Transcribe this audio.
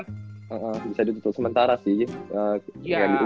bisa ditutup sementara sih